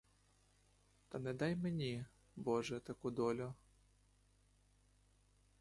Та не дай мені, боже, таку долю!